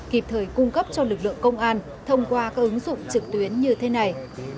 kịp thời cung cấp cho lực lượng công an thông qua các ứng dụng trực tuyến như thế này